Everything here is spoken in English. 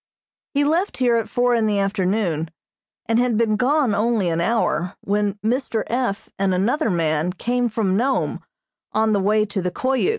He left here at four in the afternoon and had been gone only an hour when Mr. F. and another man came from Nome, on the way to the Koyuk.